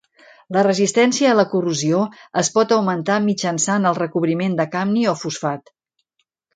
La resistència a la corrosió es pot augmentar mitjançant el recobriment de cadmi o fosfat.